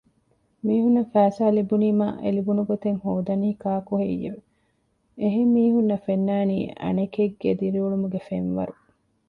މީހުންނަށް ފައިސާ ލިބުނީމާ އެލިބުނު ގޮތެއް ހޯދަނީ ކާކުހެއްޔެވެ؟ އެހެން މީހުންނަށް ފެންނާނީ އަނެކެއްގެ ދިރިއުޅުމުގެ ފެންވަރު